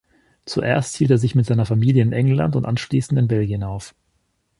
Zuerst hielt er sich mit seiner Familie in England und anschließend in Belgien auf.